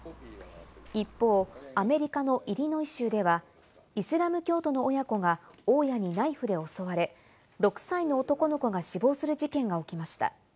一方、アメリカのイリノイ州では、イスラム教徒の親子が大家にナイフで襲われ、６歳の男の子が死亡する事件が起きました。